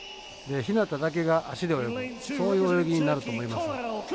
日向だけが足で泳ぐそういう泳ぎになると思います。